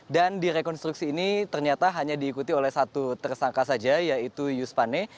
dan di rekonstruksi ini ternyata hanya diikuti oleh satu tersangka saja yaitu yus pane